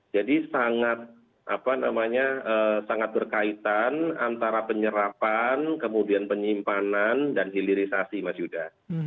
jadi sangat berkaitan antara penyerapan kemudian penyimpanan dan hilirisasi mas yuda